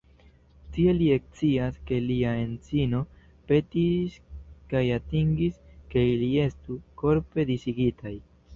Tie li ekscias ke lia edzino petis kaj atingis ke ili estu "korpe disigitaj".